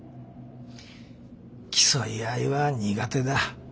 競い合いは苦手だ。